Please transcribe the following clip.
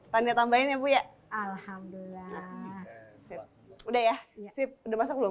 satu ratus lima puluh delapan tadi tambahin ya alhamdulillah udah ya udah masuk belum